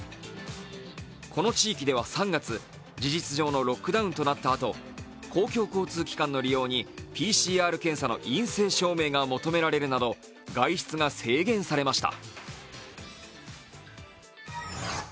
この地域では３月、事実上のロックダウンとなったあと、公共交通機関の利用にＰＣＲ検査の陰性証明が求められるなど外出が制限されました。